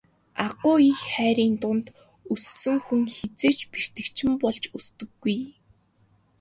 Агуу их хайрын дунд өссөн хүн хэзээ ч бэртэгчин болж өсдөггүй.